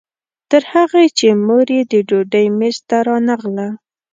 تر هغې چې مور یې د ډوډۍ میز ته رانغله.